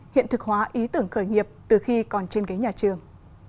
hiện thực hóa ý tưởng khởi nghiệp từ khi còn trên ghế nhà trường